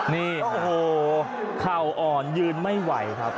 นี่โอ้โหเข่าอ่อนยืนไม่ไหวครับ